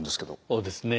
そうですね。